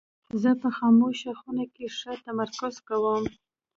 زه په خاموشه خونه کې ښه تمرکز کوم.